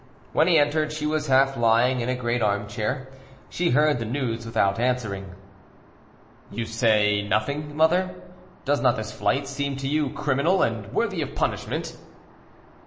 When he entered, she was half lying in a great armchair: She heard the news without answering. "You say nothing, mother. Does not this flight seem to you criminal, and worthy of punishment?"